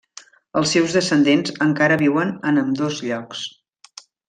Els seus descendents encara viuen en ambdós llocs.